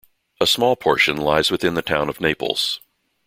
A small portion lies within the Town of Naples.